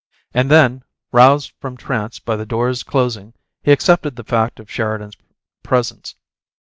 And then, roused from trance by the door's closing, he accepted the fact of Sheridan's presence.